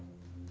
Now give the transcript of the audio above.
induk ke jelas